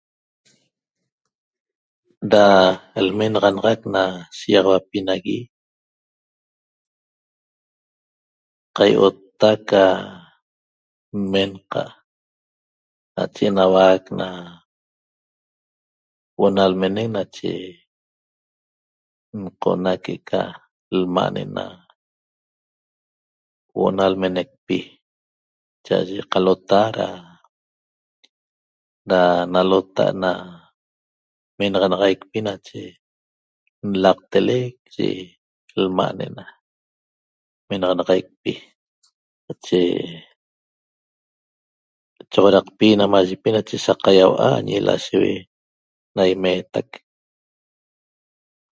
Da lmenaxanaxac na shigaxauapi nagui qaiottac ca nmenqa' nache enauac na huo'o na lmenec nache nqona que'eca lma' ne'ena huo'o na lmenecpi cha'aye qalota ra na nalota na menaxanaxaicpi nache nlaqtelec ye lma' ne'ena menaxanaxaicpi nache choxoraqpi namayepi nache saqaiaua' ñi lasheue na imetac